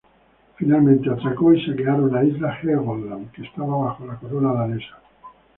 Finalmente atraco y saquearon la isla Helgoland, que estaba bajo la corona danesa.